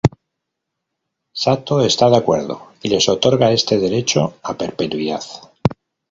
Sato está de acuerdo, y les otorga este derecho a perpetuidad.